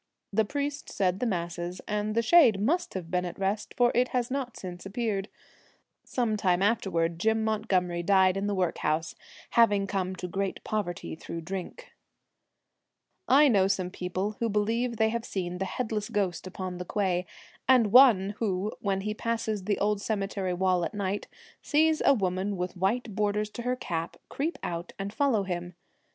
The priest said the masses, and the shade must have been at rest, for it has not since appeared. 3° Some time afterwards Jim Montgomery Village died in the workhouse, having come to great poverty through drink. I know some who believe they have seen the headless ghost upon the quay, and one who, when he passes the old cemetery wall at night, sees a woman with white borders to her cap 1 creep out and follow him.